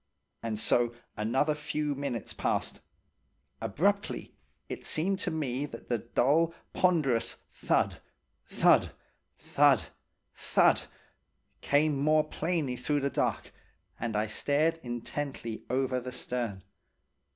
And so another few minutes passed. Abruptly, it seemed to me that the dull, ponderous thud, thud, thud, thud came more plainly through the dark, and I stared intently over the stern.